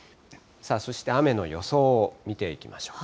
そして雨の予想を見ていきましょう。